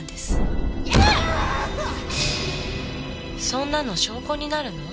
そんなの証拠になるの？